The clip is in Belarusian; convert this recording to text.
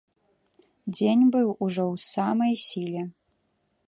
Дзень быў ужо ў самай сіле.